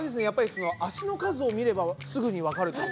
やっぱり脚の数を見ればすぐにわかる。